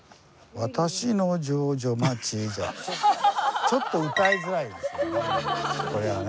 じゃちょっと歌いづらいですけどね。